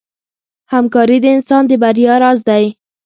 همکاري د انسان د بریا راز دی.